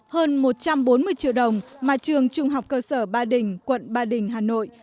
hơn một trăm bốn mươi triệu đồng mà trường trung học cơ sở ba đình quận ba đình hà nội